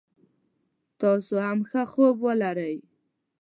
تاسو هم ښه خوب ولری